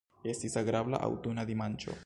Estis agrabla aŭtuna dimanĉo.